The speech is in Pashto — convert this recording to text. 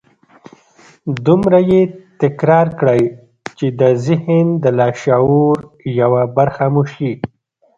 دومره يې تکرار کړئ چې د ذهن د لاشعور يوه برخه مو شي.